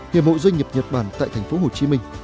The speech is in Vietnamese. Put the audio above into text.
hiệp hội doanh nghiệp nhật bản tại tp hcm